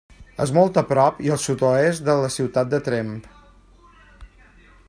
És molt a prop i al sud-oest de la ciutat de Tremp.